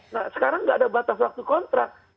nah sekarang nggak ada batas waktu kontrak